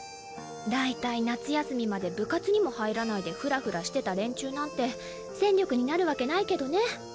だいたい夏休みまで部活にも入らないでフラフラしてた連中なんて戦力になるわけないけどね。